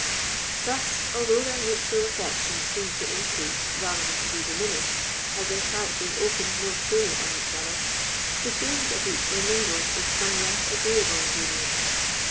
Thus, although their mutual affection seemed to increase rather than to be diminished as their characters opened more fully on each other, the feelings of each were mingled with some less agreeable ingredients.